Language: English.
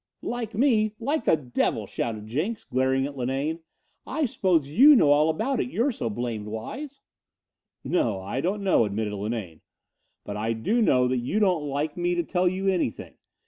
"Like me, like the devil," shouted Jenks, glaring at Linane. "I suppose you know all about it, you're so blamed wise." "No, I don't know," admitted Linane. "But I do know that you don't like me to tell you anything.